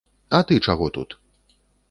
А ты чаго тут?